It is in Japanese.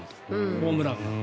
ホームランが。